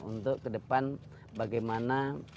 untuk ke depan bagaimana